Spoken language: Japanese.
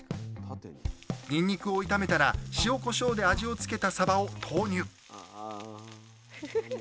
にんにくを炒めたら塩こしょうで味をつけたサバを投入！